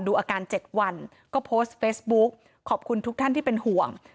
อาการ๗วันก็โพสต์เฟซบุ๊กขอบคุณทุกท่านที่เป็นห่วง